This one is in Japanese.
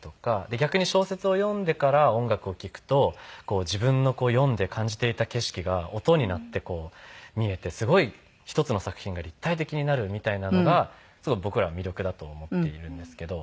で逆に小説を読んでから音楽を聴くと自分の読んで感じていた景色が音になってこう見えてすごい一つの作品が立体的になるみたいなのが僕らは魅力だと思っているんですけど。